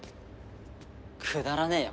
くだらねえよ